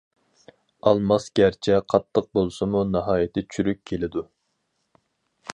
ئالماس گەرچە قاتتىق بولسىمۇ، ناھايىتى چۈرۈك كېلىدۇ.